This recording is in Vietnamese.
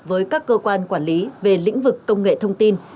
với các cơ quan quản lý về lĩnh vực công nghệ thông tin